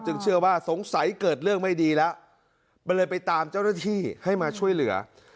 เชื่อว่าสงสัยเกิดเรื่องไม่ดีแล้วมันเลยไปตามเจ้าหน้าที่ให้มาช่วยเหลือ